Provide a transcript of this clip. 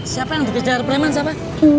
siapa yang dikejar preman siapa